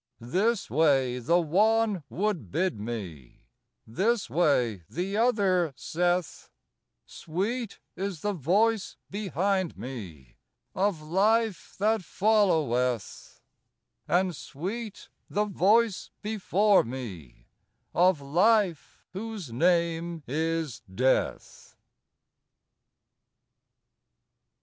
This way the one would bid me; This way the other saith: Sweet is the voice behind me Of Life that followeth; And sweet the voice before me Of Life whose name is Death.